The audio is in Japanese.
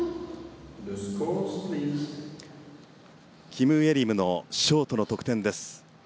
キム・イェリムのショートの得点です。